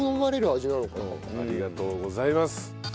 ありがとうございます。